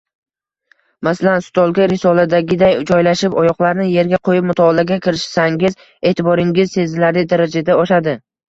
Masalan, stolga risoladagiday joylashib, oyoqlarni yerga qoʻyib mutolaaga kirishsangiz, eʼtiboringiz sezilarli darajada oshadi